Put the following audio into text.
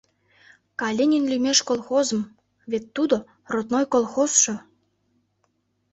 — Калинин лӱмеш колхозым, вет тудо — родной колхозшо!